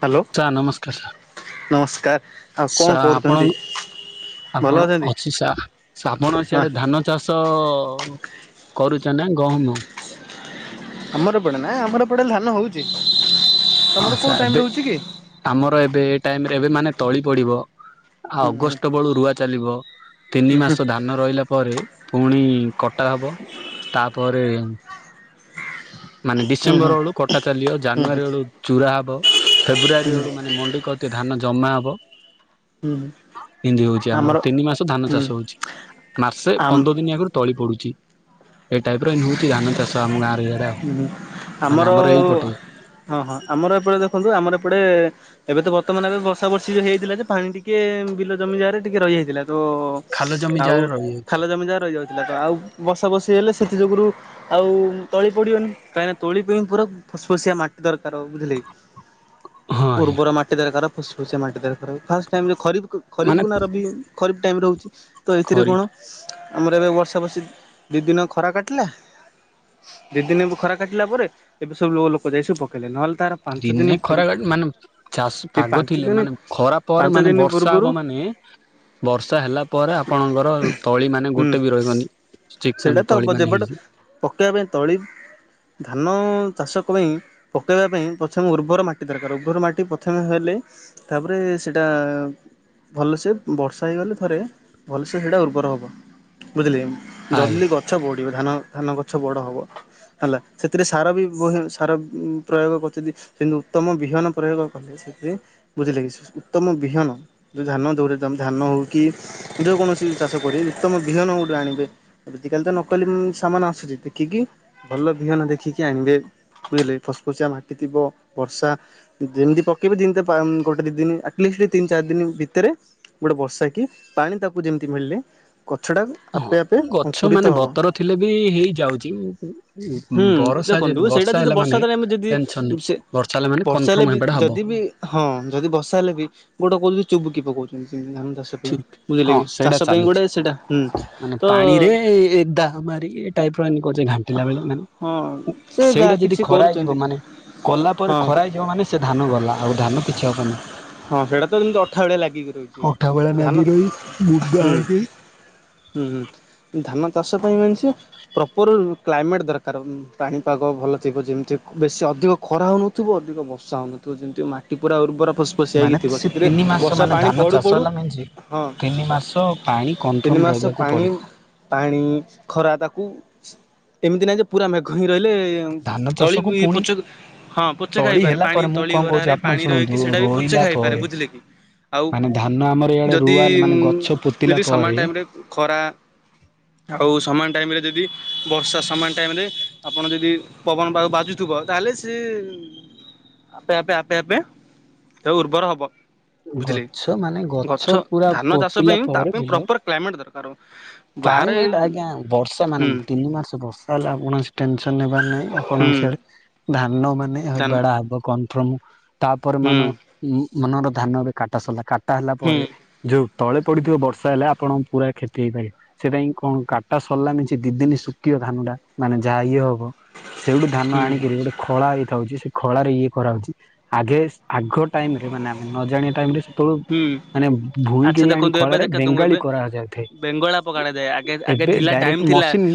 Hello sir ନମସ୍କାର ନମସ୍କାର ଆଉ କଣ ସା କରୁଛନ୍ତି ଆପଣଙ୍କୁ ଭଲ ଆପଣ ଅଛନ୍ତି? ଅଛି ସା ସେ ଆପଣ ହଁ ସିଆଡେ ଧାନ ଚାଷ କରୁଚନ୍ତି ନା ଗହମ? ଆମର ଏପଟେ ନାଇଁ ଆମର ଏପଟେ ଧାନ ହୋଉଚି ତମର ହଁ କୋଉ ସାର୍ ଟାଇମରେ ଏବେ ହୋଉଚି କି? ଆମର ଏବେ ଏ ଟାଇମରେ ଏବେ ମାନେ ତଳି ପଡିବ। ଆଉ ହୁଁ ହୁଁ ଅଗଷ୍ଟ ବେଳୁ ରୁଆ ଚାଲିବ ତିନି ମାସ ଧାନ ରହିଲା ପରେ ପୁଣି କ ଟା ହବ ତାପରେ ମାନେ ହୁଁ ଡିସେମ୍ବର ବେଳୁ କଟା ଚାଲିବ ହୁଁ ଜାନୁଆରୀ ବେଳୁ ଚୁରା ହବ ଫେବୃୟାରୀ ବେଳୁ ମାନେ ମଣ୍ଡି କର୍ ଧାନ ଜମା ହବ। ହୁଁ ହୁଁ ଇନ୍ତି ହୋଉଚି ଆମର ତିନି ମାସ ଧାନ ହୁଁ ଚାଷ ହୋଉଚି ମାସେ ଆମ ପନ୍ଦର ଦିନ ଆଗରୁ ତଳି ପଡୁଚି ଏଇ ଟାଇପର ଏନ ହୋଉଚି ଧାନ ଚାଷ ଆମ ଗାଁରେ। ଆଉ ହୁଁ ହୁଁ ମାନେ ଆମର ଏଇପଟେ ହଁ ହଁ ଆମର ଏପଟେ ଦେଖନ୍ତୁ ଆମର ଏପଟେ ଏବେ ତ ବର୍ତ୍ତମାନ ଏବେ ବର୍ଷା ବର୍ଷି ହେଇ ଯାଇଥିଲା ଯେ ପାଣି ଟିକେ ବିଲ ଜମି ଜାଗାରେ ଟିକେ ରହିଯାଇଥିଲା ତ ଖାଲ ଜମି ଆଉ ଯାହାର ରହିଯାଉଛି। ଖାଲ ଜମି ଯାହା ରହିଯାଉ ଥିଲା ତ ଆଉ ବର୍ଷା ବର୍ଷି ହେଲେ ସେଥି ଯୋଗୁରୁ ଆଉ ତଳି ପଡିବନି କାହିଁକିନା ତଳି ପାଇଁ ପୁରା ଫସ୍ ଫସିଆ ମାଟି ଦରକାର ବୁଝିଲେ କି ହଁ ଆଜ୍ଞା ଉର୍ବର ମାଟି ଦରକାର ଫସଫସିଆ ମାଟି ଦରକାର ହୁଏ ଫାଷ୍ଟ ଟାଇମ ଯୋଉ ଖରିଫକୁ ମାନେ ଖରିଫକୁ ନା ରବି ଖରିଫ୍ ଟାଇମ ରହୁଚି ତ ଏଥିରେ ଖରି କଣ ଆମର ଏବେ ବର୍ଷା ବର୍ଷି ଦିଇ ଦିନ ଖରା କାଟିଲା ଦିଇ ଦିନ ଏବ ଖରା କାଟିଲା ପରେ ଏବେ ସବୁ ଲୋ ଲୋକ ଯାଇ ସବୁ ପକେଇଲେ ନହେଲେ ତାର ପାଞ୍ଚ ଦିନ ଦିନେ ପୂର୍ ଖରା କାଟ ମାନେ ଚାଷ୍ ଏଇ ପାଗ ପାଞ୍ଚ ଥିଲେ ଦିନ ମାନେ ଖରା ପାଞ୍ଚ ପରେ ମାନେ ଦିନ ବର୍ଷା ପୂର୍ବରୁ ହବ ମାନେ ବର୍ଷା ହେଲା ପରେ ଆପଣଙ୍କର ତଳି ମାନେ ହୁଁ ଗୋଟେ ବି ରହିବନି ଚିକେନ ତଳି ମାନେ ହେଇଯିବ। ପକାଇବା ପାଇଁ ତଳି ଧାନ ଚାଷକ ପାଇଁ ପକେଇବା ପାଇଁ ପ୍ରଥମେ ଉର୍ବର ମାଟି ଦରକାର ଉର୍ବର ମାଟି ପ୍ରଥମେ ହେଲେ ତାପରେ ସେଇଟା ଭଲସେ ବର୍ଷା ହେଇଗଲେ ଥରେ ଭଲସେ ହେଟା ଉର୍ବର ହେବ ବୁଝିଲେ କି। ଆଜ୍ଞା ଜଲଦି ଗଛ ବଢି଼ବ ଧାନ ଧାନ ଗଛ ବଡ଼ ହବ। ହେଲା ସେଥିରେ ସାର ବି ବହେ ସାର ପ୍ରୟୋଗ କରୁଚନ୍ତି କିନ୍ତୁ ଉତ୍ତମ ବିହନ ପ୍ରୟୋଗ କଲେ ସେଥିରେ ବୁଝିଲେକି ଉତ୍ତମ ବିହନ ଯଉ ଧାନ ଦଉମ ଧାନ ହଉ କି ଯେକୌଣସି ଚାଷ କର ଉତ୍ତମ ବିହନ ଗୋଟେ ଆଣିବେ ଆଜି କାଲି ତ ନକଲି ସାମାନ ଆସୁଛି। ଦେଖିକି ଭଲ ବିହନ ଦେଖିକି ଆଣିବେ ବୁଝିଲେ ଫସଫସିଆ ମାଟିଥିବ ବର୍ଷା ଯେମିତି ପକେଇବେ ଦିଟ ଗୋଟେ ଦି ଦିନ ଆଟଲିଷ୍ଟ ତିନି ଚାରି ଦିନ ଭିତରେ ଗୋଟେ ବର୍ଷା କି ପାଣି ତାକୁ ଯେମିତି ମିଳିଲେ ଗଛଟା ହଁ ଆପେ ଆପେ ଗଛ ମାନେ ଅଙ୍କୁରିତ ହବ। ବତର ଥିଲେ ବି ହେଇଯାଉଛି। ହୁଁ ବରଷା ଯେ ଦେଖନ୍ତୁ ସେଇଟା ଯଦି ହେଲା ମାନେ ବର୍ଷା ଦେଲେ ଆମେ ଯଦି ଟେନସନ ନାହିଁ ସେ ବର୍ଷା ହେଲା ମାନେ ବର୍ଷା ହେଲେ କନଫର୍ମ ବି ହେବାଟା ହବ ଯଦି ବି ହଁ ଯଦି ବସା ହେଲେ ବି ଗୋଟେ କହୁ ଚୁବୁକିପ କହୁଛନ୍ତି ସିନ୍ତି ଧାନ ଚାଷ ପାଇଁ ବୁଝିଲେ ହଁ କି ସେଇଟା ଚାଷ ପାଇଁ ଗୋଟେ ସେଇଟା ହୁଁ ଚାଲିଛି ମାନେ ତ ପାଣିରେ ଦା ମାରିକ ପ ଘାଣ୍ଟିଲା ବେଳେ ହଁ ମାନେ ସେ ଯାହା ସେଇଟା କିଛି ଯଦି ଖରା କରୁଛନ୍ତି। ହେଇଯିବ ମାନେ କଲା ପରେ ହଁ ଖରା ଯିବ ମାନେ ସେ ଧାନ ଗଲା ଆଉ ଧାନ କିଛି ହବନି। ହଁ ସେଇଟା ତ ଅଠାଳିଆ ଲାଗିକି ରହିଛି। ଅଠା ବେଳେ ନାଗି ରହି ବୃଧା ହେଇକି ହୁଁ ହୁଁ ଧାନ ଚାଷ ପାଇଁ ଜଣିଛ। ପ୍ରପର କ୍ଲାଇମେଟ୍ ଦରକାର ପାଣିପାଗ ଭଲ ଥିବ ଯେମିତି ବେଶୀ ଅଧିକ ଖରା ହଉନ ଥୁ ଅଧିକ ବର୍ଷା ହେନଥିବ ଯେମିତି ମାଟି ପୁରା ଉର୍ବର ଫସ ଖୋଷଆଇକି ମାନେ ଥିବ ସେ ସେଥିରେ ତିନି ମାସ ବର୍ଷା ମାନେ ପାଣି ଧାନ ପଡୁ ଚାଷ ପଡୁ ହେଲା ମିନ୍ସ ହଁ ତିନି ମାସ ପାଣି ତିନି କନଫର୍ମ ମାସ ରହିବାକୁ ପାଣି ପଡିବ ପାଣି ଖରା ତାକୁ ଏମିତି ନାହିଁ ଯେ ପୁରା ମେଘ ହିଁ ରହିଲେ ଧାନ ତଳି ଚାଷକୁ ପୁଣି ପୋଚ ହଁ ପୋଚେ ତଳି ଖାଇପାରେ ହେଲା ପାଣି ପରେ ମୁଁ ତଳି କଣ କହୁଛି ଗରାରେ ଆପଣ ପାଣି ଶୁଣନ୍ତୁ ରହିକି ସେଇଟା ବି ପୋଚେ ରୋଇଲା ଖାଇପାରେ ପରେ ବୁଝ ବୁଝିିଲେ କି? ଆଉ ମାନେ ଧାନ ଆମର ଇଆଡେ ଯଦି ରୁଆ ମାନେ ଗଛ ପୋତିଲା ଯଦି ପରେ ସମାନ ଟାଇମରେ ଖରା ଆଉ ସମାନ ଟାଇମ ରେ ଯଦି ବର୍ଷା ସମାନ ଟାଇମରେ ଆପଣ ଯଦି ପବନ ବାହୁ ବାଜୁଥିବ ତାହେଲେ ସେ ଆପେ ଆପେ ଆପେ ଆପେ ତ ଉର୍ବର ହବ। ବୁଝିଲେ ଗଛ ମାନେ ଗଛ ପୁରା ଧାନ ଚାଷ ପୋତିଲା ପାଇଁ ତା ପରେ ପାଇଁ ବିଲ ପ୍ରପର କ୍ଲାଇମେଟ୍ ଦରକାର। ବାହାରେ କ୍ଲାଇମେଟ ଆଜ୍ଞା ବର୍ଷା ମାନେ ହୁଁ ତିନି ମାସ ବର୍ଷା ହେଲା ଆପଣ ଟେନସନ୍ ନବାର ନାଇଁ ହୁଁ ଆପଣଙ୍କ ସିଆଡ଼େ ଧାନ ମାନେ ଧାନ ହେବାଡ଼ା ଆଗ କନଫ୍ରମ ତାପରେ ହୁଁ ମାନ ମନର ଧାନ ଏବେ କାଟା ସରିଲା କାଟା ହେଲା ହୁଁ ପରେ ଯୋଉ ତଳେ ପଡିଥିବ ବର୍ଷା ହେଲେ ଆପଣ ପୁରା କ୍ଷତି ହେଇପାରିବ। ସେଇଟା ହିଁ କଣ କାଟା ସରିଲାନି ସେ ଦି ଦିନ ଶୁଖିବ ଧାନଟା ମାନେ ଯାହା ଇଏ ହବ। ସେଇଠୁ ଧାନ ହୁଁ ଆଣିକିରି ଗୋଟେ ଖଳା ହେଇଥାଉଛି ସେ ଖଳାରେ ଇଏ କରାହଉଛି ଆଗେ ଆଗ ଟାଇମରେ ମାନେ ଆମେ ନ ଜାଣିବା ଟାଇମରେ ସେତେବେଳୁ ହୁଁ ମାନେ ଆଚ୍ଛା ଭୁଇଁଗିରି ଆଣି ଦେଖନ୍ତୁ ଏବେ ଖଳରେ ଦେଖନ୍ତୁ ବେଙ୍ଗାଳି ଏବେ କରା ଯାଉଥାଏ। ବେଙ୍ଗଳା ପକଡାଯାଏ ଆଗ ଆଗେ ଥିଲା ଟାଇମ ଥିଲା ମସିନ୍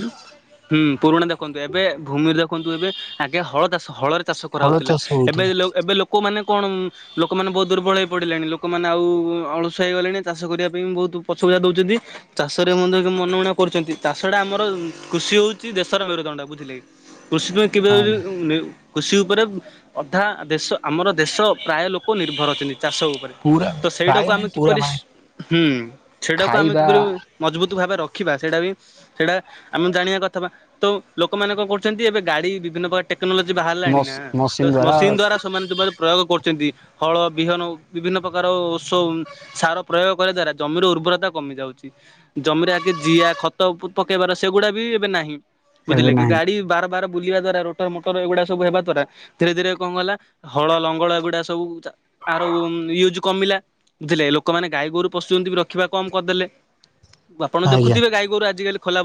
ହୁଁ ପୁରୁଣା ଦେଖନ୍ତୁ ଏବେ ଭୂମିରେ ଦେଖନ୍ତୁ ଏବେ ଆଗେ ହଳଚାଷ ହଳରେ ଚାଷ ଫଳ କରାହଉଥିଲା ଚାଷ ଏବେ ହଉଥିଲା ଏବେ ଲୋକମାନେ କଣ ଲୋକମାନେ ବହୁତ ଦୁର୍ବଳ ହେଇ ପଡିଲେଣି ଲୋ ଲୋକମାନେ ଆଉ ଅଳସୁଆ ହେଇଗଲେଣି ଚାଷ କରିବା ପାଇଁ ବହୁତ ପଛଘୁଚା ଦଉଛନ୍ତି ଚାଷରେ ମଧ୍ୟ ମନ ଉଣା କରୁଛନ୍ତି ତା ଛଡା ଆମର କୃଷି ହଉଛି ଦେଶର ମେରୁଦଣ୍ଡ ବୁଝିଲେ କି କୃଷି ପାଇଁ ହଁ [unintelligible] କୃଷି ଉପରେ ଅଧା ଦେଶ ଆମର ଦେଶ ପ୍ରାୟ ଲୋକ ନିର୍ଭର ଅଛନ୍ତି ଚାଷ ଉପରେ ପୁରା ତ ପ୍ରାୟ ସେଇଟାକୁ ନାହିଁ ଆମେ ପୁରା କିପରି ମାନେ ସୁ ହୁଁ ସେଇଟାକୁ ଆମେ ଖାଇବା କିପରି ମଜବୁତ ଭାବେ ରଖିବା ସେଇଟା ବି ସେଇଟା ଆମେ ଜାଣିବା କଥା ବା ତ ଲୋକମାନେ କଣ କରୁଛନ୍ତି, ଏବେ ଗାଡି ବିଭିନ୍ନ ପ୍ରକାର ଟେକ୍ନୋଲୋଜି ବାହାରିଲାଣି ନା ତ ମସିନ୍ ଦ୍ଵାରା ସେମାନେ [unintelligible] ପ୍ରୟୋଗ କରୁଛନ୍ତି, ହଳ ବିହନ ବିଭିନ୍ନ ପ୍ରକାର ଔଷ ସାର ପ୍ରୟୋଗ କରିବା ଦ୍ଵାରା ଜମିର ଉର୍ବରତା କମି ଯାଉଛି। ଜମିରେ ଆଗେ ଜିଆ ଖତ ପକେଇବାର, ସେଗୁଡା ବି ଏବେ ନାହିଁ। ଏବେ ବୁଝିଲେ କି ନାହିଁ। ଗାଡି ବାର ବାର ବୁଲିବା ଦ୍ଵାରା ରୋଟର ମୋଟର ଏଗୁଡା ସବୁ ହେବା ଦ୍ଵାରା ଧୀରେ ଧୀରେ କଣ କହିଲା ହଳ ଲଙ୍ଗଳ ଏଗୁଡ଼ା ସବୁ ଆର ୟୁଜ୍ କମିଲା ବୁଝିଲେ ଲୋକମାନେ ଗାଈ ଗୋରୁ ପୋଶୁଚନ୍ତି ରଖିବା କମ୍ କରିଦେଲେ। ଆପଣ ଆଜ୍ଞା ଦେଖୁଥିବେ, ଗାଈଗୋରୁ ଆଜିିକାଲି ଖୋଲା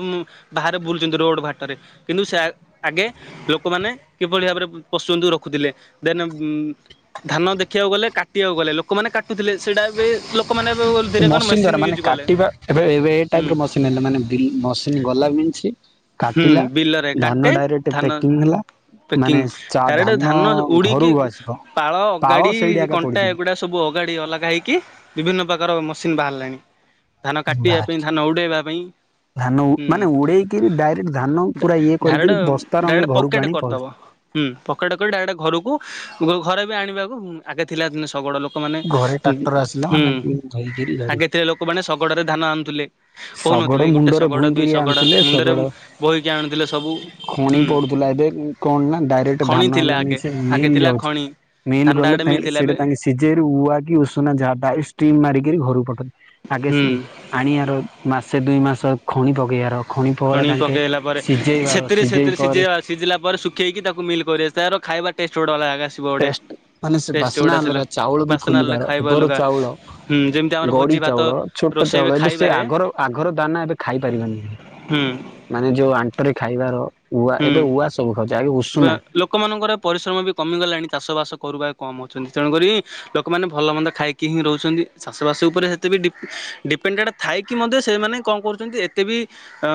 ବାହାରେ ବୁଲୁଛନ୍ତି, ରୋଡ଼ ବାଟରେ। କିନ୍ତୁ ସେ ଆ ଆଗେ ଲୋକମାନେ କିଭଳି ଭାବରେ ପଶୁଜନ୍ତୁ ରଖୁଥିଲେ ଦେନ ଧାନ ଦେଖିବାକୁ ଗଲେ କାଟିବାକୁ ଗଲେ ଲୋକମାନେ କାଟୁଥିଲେ ସେଇଟା ଏବେ ଲୋକମାନେ ଏବେ ସେ ଧୀରେ କଣ ମସିନ୍ ମେସିନ୍ ଦ୍ଵାରା ମାନେ ୟୁଜ୍ କଲେ କାଟିବା ଏବେ ଏବେ ଏ ହୁଁ। ଟାଇପ୍ ର ମସିନ୍ ହେଲେ ମାନେ ବି ମସ୍ ସେ ଗଲା ବିନ୍ଛିି ହୁଁ, ବିଲରେ କାଟେ ଧାନ ପ୍ୟାକିଂ ହେଲା ପ୍ୟାକିଂ ମାନେ ଚା ଡ଼ାରେକ୍ଟ ଧାନ ଉଡିକି ଘରକୁ ଆସିବ ପାଳ ଅଗାଡି ସେଇଠି ଆଗା କଣ୍ଟା ପଡିଯିବ ଏଗୁଡା ସ ସବୁ ଅଗାଡ଼ି ଅଲଗା ହେଇକି ବିଭିନ୍ନ ପ୍ରକାର ମେସିନ୍ ବାହାରିଲାଣି। ଧାନ କାଟିବା ପାଇଁ ବାହାରିଛି ଧାନ ଉଡେଇବା ପାଇଁ। ଧାନ ହୁଁ ମାନେ ଉଡେଇକିରି ଡାଇରେକ୍ଟ ଧାନ ପୁରା ଇଏ ଡାଇରେକ୍ଟ କରିକି ବସ୍ତା ରଙ୍ଗେ ଡାଇରେକ୍ଟ ଘରକୁ ପକେଟ ଆଣି ପହଞ୍ଚି କରିଦବ ହୁଁ ପକେଟ୍ କରିକି ଡାଇରେକ୍ଟ ଘରକୁ ଘରେବି ଆଣିବାକୁ ଆଗେ ଥିଲା ଶଗଡ଼ ଲୋକ ଲୋକମାନେ ଘରେ ଟ୍ରାକ୍ଟର ଆସିଲା ହୁଁ ମାନେ ଧୋଇକିରି ଧରି ଆଗେ ଥିଲେ ଲୋକମାନେ ଶଗଡ଼ରେ ଧାନ ଆଣୁଥିଲେ। ଶଗଡ଼ କହୁନଥିଲି ଗୋଟେ ମୁଣ୍ଡରେ ଶଗଡ଼, ଦୁଇ ଭୁଇଁକିରି ଶଗଡ଼, ଆଣୁଥିଲେ ମୁଣ୍ଡରେ ଶଗଡ଼ ବୋହିକି ଆଣୁଥିଲେ ସବୁ ଖଣି ହୁଁ ପଡ଼ୁଥିଲା, ଏବେ କଣନା ଡାଇରେକ୍ଟ ଖଣି ଧାନ ଥିଲା ହେଲାନି ଆଗେ ଆଗେ ସେମିଲ୍ ଥିଲା ଯାଉଚି। ଖଣି ମିଲ୍ ଧାନଟା ଗଲେ ଆଡେ ତା ମିଲ୍ ଥିଲା ସେଠା ଏବେ ତାଙ୍କେସେ ସିଝେଇରୁ ଉଆକି ଉଷୁନା ଯାମାରିକ ଷ୍ଟିମ୍ ମାରିକି ଘରକୁ ପଠାନ୍ତି ହୁଁ ଆଗେ ଆଣି ଆର ମାସେ ଦୁଇ ମାସ ଖଣି ପକେଇବାର ଖଣି ପହରେ ତାଙ୍କେ ପକେଇଲା ପରେ ସିଝେଇବାର ସେଥିରେ ସିଝେଇ ସେଥିରେ ପରେ ସିଝେଇବା ସିଝିଲା ପରେ ଶୁଖେଇକି ତାକୁ ମିଲ୍ କରିଆ ତାର ଖାଇବା ଟେଷ୍ଟ ଗୋଟେ ଅଲଗା ଆଗେ ଆମେ। ଟେଷ୍ଟେ ମାନେ ସେବାସ୍ନା ଅଲଗା ଚାଉଳବି ବାସ୍ନା ଅଲଗା ଫୁଲିବାର ଖାଇବା ଏବର ଅଲଗା ଚାଉଳ ହୁଁ ଯେମିତି ଆମର ଭୋଜି ଗଡ଼ି ଭାତ ଚାଉଳ ଛୋଟ ରୋଷେଇ ଚାଉଳ ଏବେ ସେ ଖାଇବାରେ ଆଗର ଆଗର ଦାନା ଏବେ ଖାଇପାରିବାନି। ହୁଁ। ମାନେ ଯୋଉ ଆଣ୍ଟରେ ଖାଇବାର ଉଆ ଏବେ ଉଆ ସବୁ ଖାଉଛ ଆଗେ ଉ ବା ଲୋକମାନଙ୍କର ପରିଶ୍ରମବି କମିଗଲାଣି ଚାଷ ବାସ କରୁବା କମ୍ ଅଛନ୍ତି ତେଣୁକରି ଲୋକମାନେ ଭଲ ମନ୍ଦ ଖାଇକି ହିଁ ରହୁଛନ୍ତି, ଚାଷବାସ ଉପରେ ସେତବି ଡିପେ ଡିପେଣ୍ଡେ ଥାଇକି ମଧ୍ୟ ସେମାନେ କଣ କରୁଚନ୍ତି ଏତେବି ଅ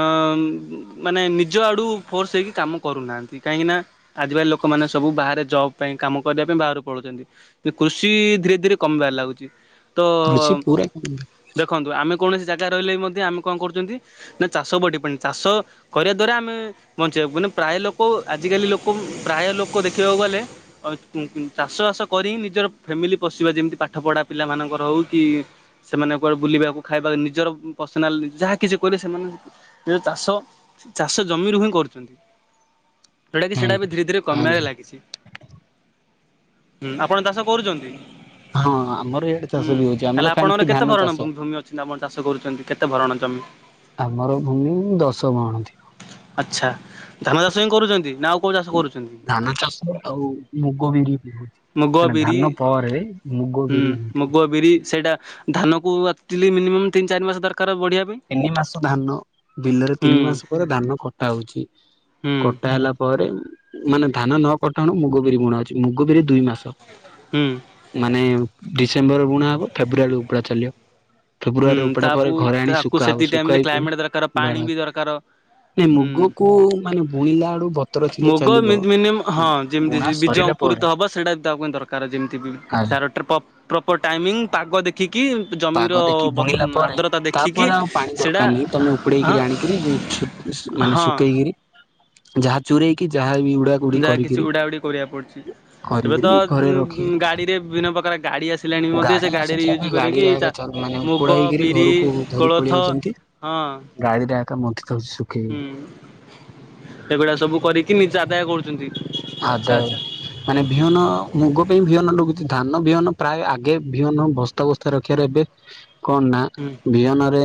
ମାନେ ନିଜ ଆଡୁ ଫୋର୍ସ ହେଇକି କାମ କରୁନାହାନ୍ତି। କାହିଁକିନା ଆଜିକାଲି ଲୋକମାନେ ସବୁ ବାହାରେ ଜବ୍ ପାଇଁ କାମ କରିବା ପାଇଁ ବାହାରି ପଳଉଚନ୍ତି। ଯେ କୃଷି ଧୀରେ ଧୀରେ କମିବାରେ ଲାଗୁଚିତ କୃଷି ପୁରା ଦେଖନ୍ତୁ ଆମେ କୌଣସି ଜାଗା ରହିଲେବି ମଧ୍ୟ ଆମେ କଣ କରୁଚନ୍ତି ନାଚାଷ ଉପରେ ଡିପେଣ୍ତେ ଚାଷ କରିବା ଦ୍ଵାରା ଆମେ ବଞ୍ଚେଇ ପ୍ରାୟ ଲୋକ ଲୋକ ଆଜିକାଲି ଲୋକ ପ୍ରାୟ ଲୋକ ଦେଖିବାକୁ ଗଲେ ଅଁ ଚାଷ ବାସ କରିହିଁ ନିଜର ଫ୍ୟାମିଲି ପଶିବା ଯେମିତି ପାଠପଢା ପିଲାମାନଙ୍କର ହଉକି ସେମାନେ କୁଆଡ଼େ ବୁଲିବାକୁ ଖାଇବାକୁ ନିଜର ପର୍ସନାଲି ଯାହା କିଛି କହିଲେ ସେମାନେ ଯେ ଚାଷ ଚାଷ ଜମିରୁ ହିଁ କରୁଚନ୍ତି। ସେଉଁଟାକିି ଆଜ୍ଞା ସେଇଟାବି ଧୀରେ ଧୀରେ କମିବାରେ ଆଜ୍ଞା ଲାଗିଛି। ହୁଁ ଆପଣ ଚାଷ କରୁଛନ୍ତି ହଁ ଆମର ଇଆଡେ ଚାଷ ହୁଁ ବି ହଉଛି ଆମର ହେଲେ ଖାଣ୍ଟି ଆପଣଙ୍କର ଧାନ କେତେ ପରଣ ଚାଷ। ଭୂ ଭୂମି ଅ ନିଶ୍ଚିତ ଆପଣ ଚାଷ କରୁଛନ୍ତି କେତେ ଭରଣ ଜମି? ଆମର ଭୂମି ଦଶ ବହଣ ଆଚ୍ଛା ଧାନ ଚାଷ ହିଁ କରୁଛନ୍ତି ନା ଆଉ କୋଉ ଚାଷ ଥିବ‌ କରୁଛନ୍ତି? ଧାନ ଚାଷ ଆଉ ମୁଗ, ବିରିବି ହଉଚି। ମୁଗ ମାନେ ବିରି ଧାନ ପରେ ମୁଗ, ହୁଁ ବିରି ହୁଏ। ମୁଗ ବିରି ସେଇଟା ଧାନକୁ ଆକ୍ଚଲି ମିନିମମ୍ ତିନି ଚାରି ମାସ ଦରକାର ବଢ଼ିବା ପାଇଁ। ତିନିମାସ ଧାନ ବିଲରେ ହୁଁ ତିନିମାସ ପରେ ଧାନ କଟା ହଉଚି। ହୁଁ କଟା ହେଲାପରେ ମାନେ ଧାନ ନକଟାହୁଣୁ ମୁଗ ବିରି ବୁଣା ହଉଚି ମୁଗ ବିରି ଦୁଇ ମାସ ହୁଁ। ମାନେ ଡିସେମ୍ବର ବୁଣା ହବ ଫେବୃୟାରୀ ଉପୁଡ଼ା ଚାଲିବ। ଫେବୃଆରୀରେ ଉପୁଡ଼ା ପରେ ଘରେ ଆଣି ଶୁ ଦିଟାଇମରେ କ୍ଲାଇମେଟ ଦରକାର ପାଣିବି ଦରକାର। ନାଇଁ ହୁଁ ମୁଗକୁ ମାନେ ବୁଣିଲା ବେଳୁ ବତର ଥିଲେ ମୁଗ ଚାଲିବ ବୁଣା ସରିଲା ପରେ ପୁରିତ ହବ ସେଇଟା ବି ତା ପାଇଁ ଦରକାର ଯେମତି ବି ଆଜ୍ଞା ସାର ପ୍ର ପ୍ରପର ଟାଇମିଂ ପାଗ ଦେଖିକି ଜ ପାଗ ଦେଖି ବୁଣିଲା ପରେ ତାପରେ ଆଉ ପାଣି ସେଇଟା ଦରକାର ନାହିଁ ତମେ ହଁ ଉପଡେଇକିରି ଆଣିକିରି ଛୁ ମାନେ ହଁ। ଶୁକେଇକିରି ଯାହା ଚୁରେଇକି ଯାହା ବି ଉଡା ଉଡି ଯାହା କିଛି କରିକିରି ଉଡା ଉଡି କରିବାକୁ ପଡୁଚି ଏବେ କରିକିରି ତ ଘରେ ରଖି ଗୁଁ ଗାଡିରେ ବିଭିନ୍ନ ପ୍ରକାର ଗାଡି ଆସି ଆସିଲାଣି ମଧ୍ୟ ସେ ଗାଡି ଗାଡିରେ ଆସିଛି ଏବେ ୟୁଜ୍ କରିକି ଗାଡିରେ ଚା ଆଗା ମାନେ ଉପଡା ମୁଗ, ହେଇକିରି ବିରି ଘରକୁ କୋଳଥ ହଁ। ଗାଡିଟା ଏକା ମନ୍ଥି ଦୋଉଚି ସବୁ। ହୁଁ ଏଇଭଳିଆ ସବୁ କରିକି ନିଜ ଆଦାୟ କରୁଚନ୍ତି। ହାଦାୟ ମାନେ ବିହନ ମୁଗ ପାଇଁ ବିହନ ନୋଗୁଚି ଧାନ ବିହନ ପ୍ରାୟ ଆଗେ ବିହନ ବସ୍ତା ବସ୍ ଏଥର ରଖିବାର ଏବେ କଣ ନା ହୁଁ। ବିହନରେ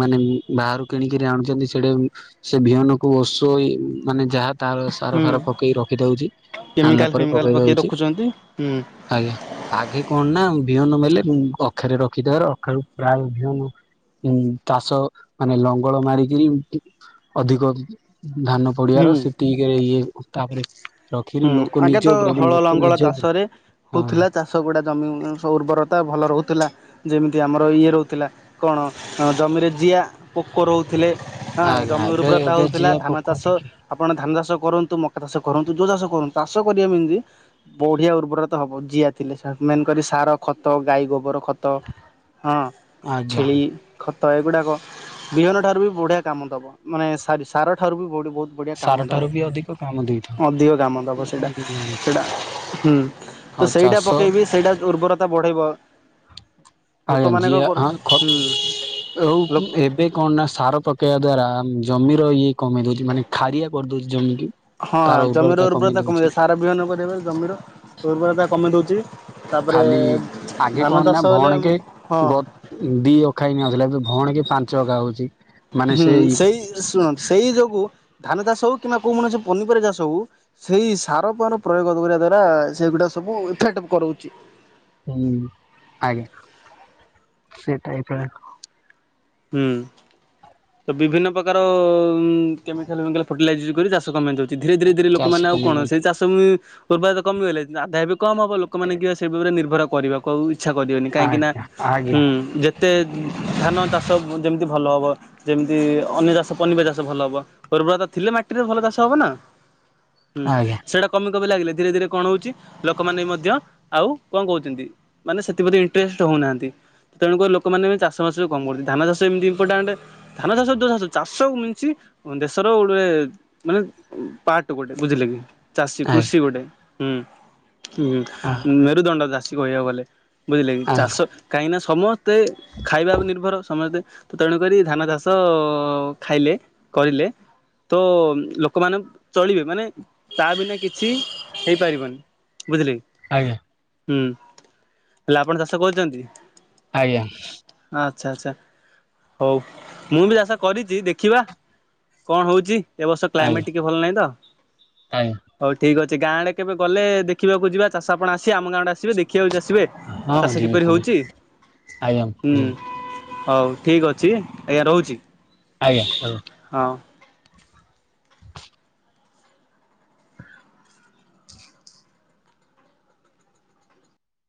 ମାନେ ବାହାରୁ କିଣିକିରି ଆଣୁଛନ୍ତି ସେଡେ ସେ ବିହନକୁ ଓଶୋଇ ମାନେ ଯାହା ତାର ସାର ହୁଁ ଫାର ପକେଇ ର ଏଇଟା ହୋଉଚି ଆଣିଲା କେମିକାଲ ପରେ ଫେମିକାଲ ପକେଇବା ପକେଇ ଉଚି ରଖୁଛନ୍ତି ହୁଁ ଆଜ୍ଞା ଆଗେ କଣ ନା ବିହନ ମେଲେ ଅଖାରେ ରଖିଦେବାର ଅଖାରୁ ପ୍ରାୟ ବିହନ ଉଁ ତାସ ମାନେ ଲଙ୍ଗଳ ମାରିକିରି ଅଧିକ ଧାନ ପଡିଆର ହୁଁ। ସେତିକିରେ ଇଏ ତାପରେ ରଖିକି ହୁଁ ଲୋକ ଆଗେ ନିଜ ତ ଉପରେ ଏବେ ହଳ ଲୋକ ଲଙ୍ଗଳ ନିଜ ଉପରେ ଚାଷରେ ହଁ ହୋଉଥିଲା ଚା ସବୁ ଗୁଡା ଜମି ସବୁ ଉର୍ବରତା ଭଲ ରହୁଥିଲା। ଯେମିତି ଆମର ଇଏ ରହୁଥିଲା କଣ ଜମିରେ ଜିଆ ପୋକ ରହୁଥିଲେ ହଁ ଆଜ୍ଞା ଜମି ଏବେ ଉର୍ବରତା ଏବେ ହୋଉଥିଲା ଯିଏ ଧାନ ପୋକ ଚାଷ ଟିକେ ଆପଣ ଧାନ ଚାଷ କରନ୍ତୁ ମକା ଚାଷ କରନ୍ତୁ ଯୋଉ ସବୁ ହୁଁ ଚାଷ କରିବ କେମିତି ବଢିଆ ଉର୍ବରତା ହବ ଜିଆ ଥିଲେ ମେନ୍ କରି ସାର, ଖତ ଗାଈଗୋବର ଖତ ହଁ ଆଜ୍ଞା ଛେଳି ଖତ ଏଗୁଡାକ ବିହନ ଠାରୁ ବି ବଢିଆ କାମ ଦବ ମାନେ ସରି ସାର ଠାରୁ ବି ବଢି ବହୁ ବଢିଆ ସାର କାମଦବ ଠାରୁ ବି ଅଧିକ କାମ ଦେଇଥାଏ। ଅଧିକ କାମ ସେଇଟା ଆଜ୍ଞା ଜାଣିଛି ସେଇଟା ଏଇଟା। ହୁଁ ତ ଆଉ ସେଇଟା ଚାଷ ପକେଇବି ସେଇଟା ଉର୍ବରତା ବଢେଇବ। ଆଜ୍ଞା ଲୋକମାନେ କଣ ଜିଆ କରୁ ହଁ ଖ ହୁଁ ହେଉ ଲୋ କି ଏ ଏବେ କଣ ନା ସାର ପକେଇଆ ଦ୍ଵାରା ଜମିର ଇଏ କମେଇ ଦଉଚି ମାନେ ଖାରିଆ କରିଦୋଉଚି ଜମିକି ହଁ ତାର ଜମିର କମେଇ ଉର୍ବରତା କମି ଦଉଛି ଯାଉଚି ସାର ବିହନ କରିବା ପାଇଁ ଜମିର ଉର୍ବରତା କମେଇ ଦୋଉଚି। ତାପରେ ଖାଲି ଆଗେ କଣ ଧାନ ନା ଚାଷ ହେଲେ ଭଣକେ ହଁ ଗ ଦି ଅଖାଇ ମାଗିଲା ଯିଏ ଭଉଣୀ କି ପାଞ୍ଚ ଅଖା ହୋଉଚି। ହୁଁ ସେଇ ଶୁଣ ସେଇ ଯୋଗୁ ଧାନଚାଷ ହୋଉ କିମ୍ବା କୋଉ କୌଣସି ପନିପରିବା ଚାଷ ହୋଉ ସେଇ ସାର ଫାର ପ୍ରୟୋଗ କରିବା ଦ୍ଵାରା ସେଇଗୁଡା ସବୁ ଇଫେକ୍ଟ କରୋଉଚି। ହୁଁ ଆଜ୍ଞା ସେ ଟାଇପର ହୁଁ। ତ ବିଭିନ୍ନ ପ୍ରକାର କେମିକାଲ୍ ଫେମିକାଲ୍ ଫର୍ଟିଲାଇଜ୍‌ ଯୁଗରେ ଚାଷ କାମ ହେଇଯାଉଛି। ଧୀରେ ଧୀରେ ଧୀରେ ଚାଷ ଲୋକମାନେ ଆଉ କମେଇ କଣ ସେଇ ଦଉଛି ଚାଷ ଜମି ଉର୍ବରତା କମିଗଲେ ଆଦାୟ ବି କମ୍ ହବ ଲୋକମାନେ କି ସେ ଉପରେ ନିର୍ଭର କରିବ କୋଉ ଇଚ୍ଛା କରିବେନି କାହିଁକି ନା ଆଜ୍ଞା ଆଜ୍ଞା ହୁଁ ଯେତେ ଧାନ ଚାଷ ଯେମତି ଭଲ ହବ। ଯେମିତି ଅନ୍ୟ ଚାଷ ପନିିବା ଚାଷ ଭଲ ହବ ଉର୍ବରତା ଥିଲେ ମାଟିରେ ଭଲ ଚାଷ ହବ ନା। ହୁଁ ଆଜ୍ଞା ସେଇଟା କମି କମି ଲାଗିଲେ ଧୀରେ ଧୀରେ କଣ ହୋଉଚି ଲୋକମାନେ ମଧ୍ୟ ଆଉ କଣ କହୁଚନ୍ତି ମାନେ ସେଥିପ୍ରତି ଇଣ୍ଟରେଷ୍ଟ ହୋଉନାହାନ୍ତି ତେଣୁକରି ଲୋକମାନେ ଚାଷବାସ କମ୍ କରୁଚନ୍ତି ଧାନ ଚାଷ ଏମିତି ଇପୋର୍ଟାଣ୍ଟେ ଧାନ ଚାଷ ଯୋ ଚାଷ ଚାଷ ମିିନ୍ସ ଦେଶର ଗୋଟେ ମାନେ ପାର୍ଟ ଗୋଟେ ବୁଝିଲେ କି। ଚାଷୀ ଆଜ୍ଞା କୃଷି ଗୋଟେ ହୁଁ ହୁଁ ଆଜ୍ଞା ମେରୁଦଣ୍ଡ ଚାଷୀ କହିବାକୁ ଗଲେ। ବୁଝିଲେ କି ଚାଷ ଆଜ୍ଞା କାହିଁକି ନା ସମସ୍ତେ ଖାଇବା ନିର୍ଭର ସମସ୍ତେ ତ ତେଣୁ କରି ଧାନ ଚାଷ ଖାଇଲେ କରିଲେ ତ ଲୋକମାନେ ଚଳିବେ ମାନେ ତା ବିନା କିଛି ହେଇପାରିବନି ବୁଝିଲେ କି। ଆଜ୍ଞା ହୁଁ ହେଲେ ଆପଣ ଚାଷ କରୁଚନ୍ତି। ଆଜ୍ଞା ଆଛା ଆଛା ହଉ ମୁଁ ବି ଚାଷ କରିଚି ଦେଖିବା କଣ ହଉଚି। ଏ ବର୍ଷ କ୍ଲାଇମେଟ ଟିକେ ଭଲ ନାହିଁ ତ। ଆଜ୍ଞା ହଉ ଠିକ୍ ଅଛି ଗାଁ ଆଡେ କେବେ ଗଲେ ଦେଖିବାକୁ ଯିବା ଚାଷ ଆପଣ ଆସିବେ ଆମ ଗାଁ ଆଡେ ଆସିବେ ଦେଖିବାକୁ ଆସିବେ। ହଁ ଚାଷ ଯିବି କିପରି ପୁଣି ହଉଚି ଆଜ୍ଞା ଯିବି ହୁଁ। ହଉ ଠିକ ଅଛି ଆଜ୍ଞା ରହୁଚି। ଆଜ୍ଞା [unintelligible] ହଁ